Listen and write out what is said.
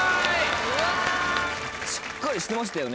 しっかりしてましたよね。